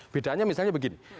bedanya misalnya begini